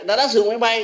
đã sử dụng máy bay